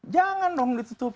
jangan dong ditutup